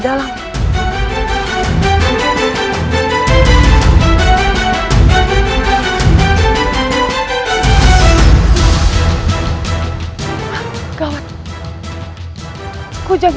sarah d mustani